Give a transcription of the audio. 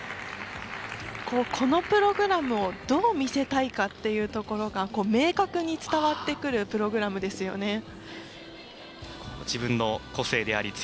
このプログラムをどう見せたいかっていうところが明確に伝わってくるプログラムですよね。